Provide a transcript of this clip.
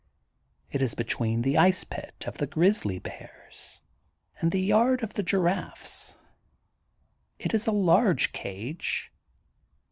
It is between the ice pit of the grizzly bears and the yard of the giraffes. It is a large cage.